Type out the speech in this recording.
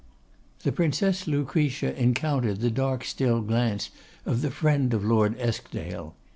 The Princess Lucretia encountered the dark still glance of the friend of Lord Eskdale.